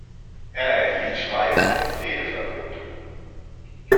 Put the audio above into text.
Er erhielt Schreib- und Redeverbot.